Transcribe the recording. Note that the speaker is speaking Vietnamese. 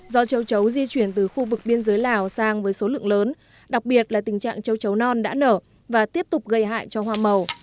do châu chấu di chuyển từ khu vực biên giới lào sang với số lượng lớn đặc biệt là tình trạng châu chấu non đã nở và tiếp tục gây hại cho hoa màu